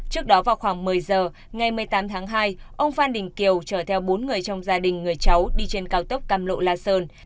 trước đó vào khoảng một mươi giờ ngày một mươi tám tháng hai ông phan đình kiều chở theo bốn người trong gia đình người cháu đi trên cao tốc cam lộ la sơn